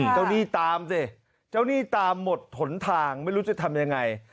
หนี้ตามสิเจ้าหนี้ตามหมดหนทางไม่รู้จะทำยังไง